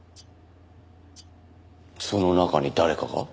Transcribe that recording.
その中に誰かが？